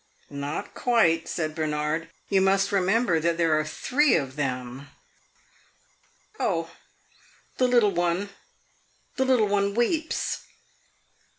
"Not quite," said Bernard. "You must remember that there are three of them." "Oh, the little one the little one weeps."